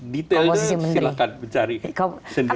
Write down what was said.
detailnya silahkan mencari sendiri